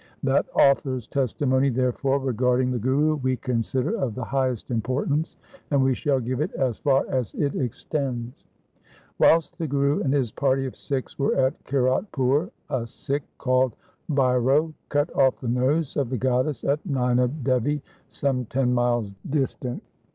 That author's testimony, therefore, regarding the 1 Basant. 2i8 THE SIKH RELIGION Guru we consider of the highest importance, and we shall give it as far as it extends :— Whilst the Guru and his party of Sikhs were at Kiratpur a Sikh called Bhairo cut off the nose of the goddess at Naina Devi, some ten miles distant.